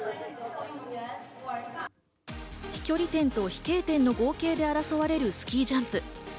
飛距離点と飛型点の合計で争われるスキージャンプ。